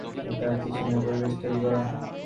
এটা আর কিছুই না, পরিবেশ তৈরি করা।